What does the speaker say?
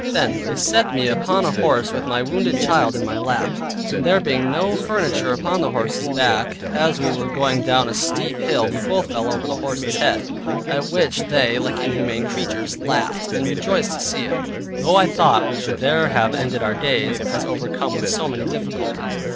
Then they set me upon a horse with my wounded child in my lap, and there being no furniture upon the horse's back, as we were going down a steep hill we both fell over the horse's head, at which they, like inhumane creatures, laughed, and rejoiced to see it, though I thought we should there have ended our days, as overcome with so many difficulties.